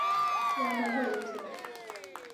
英殖民政府宣布全国进入紧急状态。